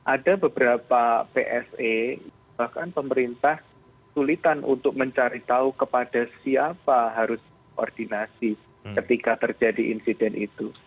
ada beberapa pse bahkan pemerintah sulitan untuk mencari tahu kepada siapa harus koordinasi ketika terjadi insiden itu